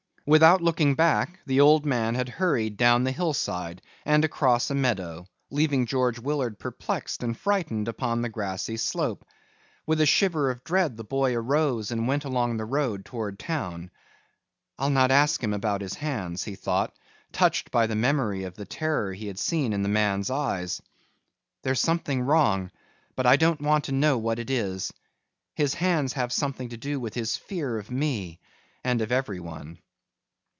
Without looking back, the old man had hurried down the hillside and across a meadow, leaving George Willard perplexed and frightened upon the grassy slope. With a shiver of dread the boy arose and went along the road toward town. "I'll not ask him about his hands," he thought, touched by the memory of the terror he had seen in the man's eyes. "There's something wrong, but I don't want to know what it is. His hands have something to do with his fear of me and of everyone."